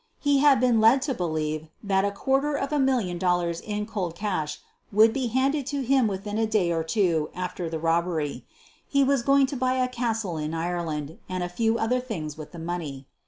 He had been led to believe that a quarter of a million dollars in cold cash would be handed to him within a day or two after the rob bery. He was going to buy a castle in Ireland and a few other things with the money.